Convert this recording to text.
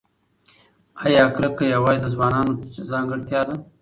ایا کرکه یوازې د ځوانانو ځانګړتیا ده؟